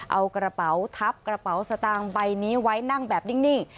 เอากระเป๋าทับกระเป๋าสตางค์ใบนี้ไว้นั่งแบบนิ่ง